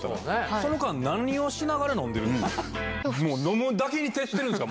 その間、何をしながら飲んでるんですか。